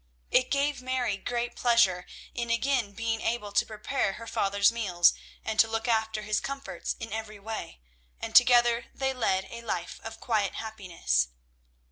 It gave Mary great pleasure in again being able to prepare her father's meals, and to look after his comforts in every way; and together they led a life of quiet happiness.